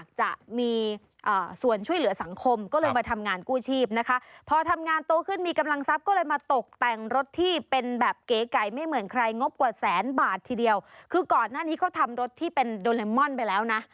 คือก่อนหน้านี้เขาทำรถที่เป็นโดนไลมอนไปแล้วนะ